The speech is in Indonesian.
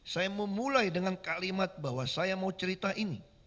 saya memulai dengan kalimat bahwa saya mau cerita ini